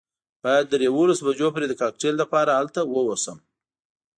باید تر یوولسو بجو پورې د کاکټیل لپاره هلته ووسم.